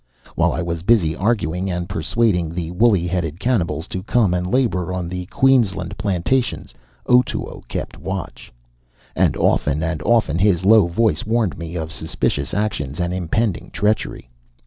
While I was busy arguing and persuading the woolly headed cannibals to come and labor on the Queensland plantations Otoo kept watch. And often and often his low voice warned me of suspicious actions and impending treachery.